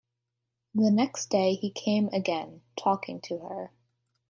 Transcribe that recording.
The next day he came again, talking to her.